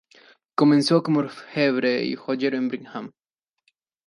Comenzó como orfebre y joyero en Birmingham.